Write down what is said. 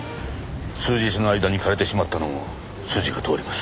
数日の間に枯れてしまったのも筋が通ります。